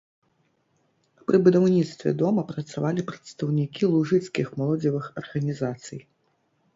Пры будаўніцтве дома працавалі прадстаўнікі лужыцкіх моладзевых арганізацый.